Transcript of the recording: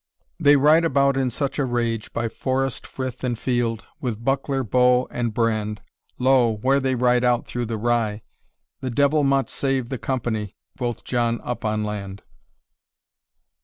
They ride about in such a rage, By forest, frith, and field, With buckler, bow, and brand. Lo! where they ride out through the rye! The Devil mot save the company, Quoth John Up on land.